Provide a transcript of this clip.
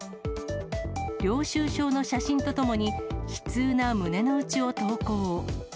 領収証の写真と共に、悲痛な胸の内を投稿。